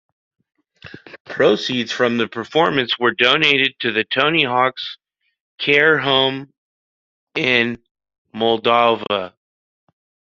Proceeds from the performance were donated to the Tony Hawks Care Home in Moldova.